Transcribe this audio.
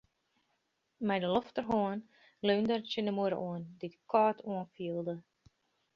Mei de lofterhân leunde er tsjin de muorre oan, dy't kâld oanfielde.